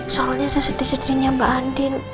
soalnya sesedih sedihnya mbak andin